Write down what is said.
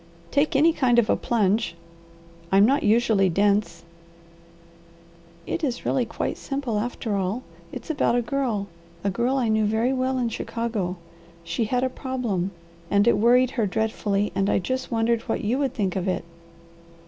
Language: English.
"Take any kind of a plunge. I'm not usually dense." "It is really quite simple after all. It's about a girl a girl I knew very well in Chicago. She had a problem and it worried her dreadfully, and I just wondered what you would think of it."